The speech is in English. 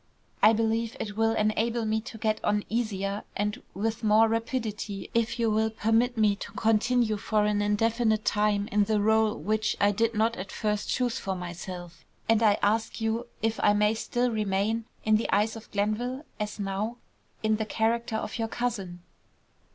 I believe it will enable me to get on easier and with more rapidity if you will permit me to continue for an indefinite time in the rôle which I did not at first choose for myself, and I ask you if I may still remain, in the eyes of Glenville, as now, in the character of your cousin."